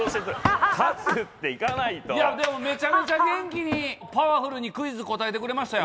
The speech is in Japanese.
いやでもめちゃめちゃ元気にパワフルにクイズ答えてくれましたよ。